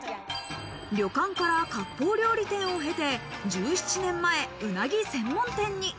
旅館から割烹料理店を経て１７年前、うなぎ専門店に。